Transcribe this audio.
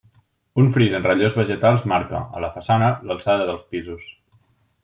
Un fris en relleus vegetals marca, a la façana, l'alçada dels pisos.